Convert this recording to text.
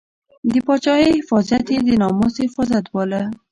د پاچاهۍ حفاظت یې د ناموس حفاظت باله.